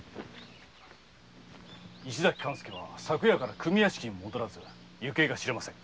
石崎勘助は昨夜から組屋敷に戻らず行方が知れませぬ。